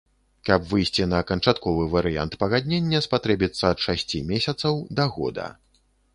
Каб выйсці на канчатковы варыянт пагаднення, спатрэбіцца ад шасці месяцаў да года.